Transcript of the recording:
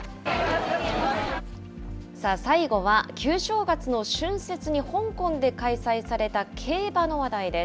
最後は、旧正月の春節に、香港で開催された競馬の話題です。